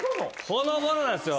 ほのぼのなんすよ。